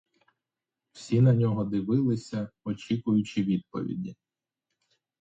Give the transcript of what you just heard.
Всі на нього дивилися, очікуючи відповіді.